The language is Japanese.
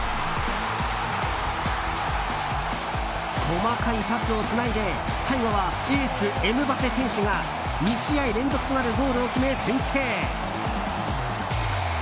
細かいパスをつないで最後はエース、エムバペ選手が２試合連続となるゴールを決め、先制。